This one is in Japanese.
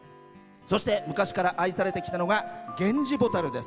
そして、昔から愛されてきたのはゲンジボタルです。